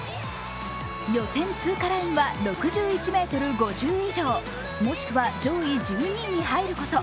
予選通過ラインは６１ｍ５０以上もしくは上位１２位に入ること。